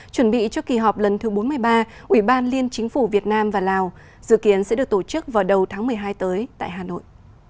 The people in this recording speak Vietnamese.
chuẩn bị cho kỳ họp lần thứ bốn mươi ba ủy ban liên chính phủ việt nam và lào dự kiến sẽ được tổ chức vào đầu tháng một mươi hai tới tại hà nội